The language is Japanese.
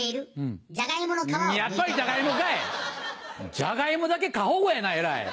ジャガイモだけ過保護やなえらい。